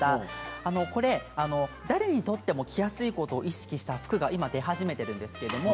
誰にとっても着やすいことを意識した服が出始めています。